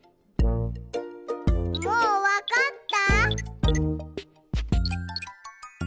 もうわかった？